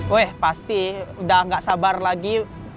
wih pasti udah nggak sabar lagi